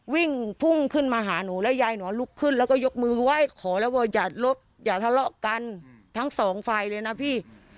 วิ่งพุ่งขึ้นมาหาหนูแล้วยายหนอนลุกขึ้นแล้วก็ยกมือไหว้ขอแล้วว่าอย่าลบอย่าทะเลาะกันทั้งสองฝ่ายเลยนะพี่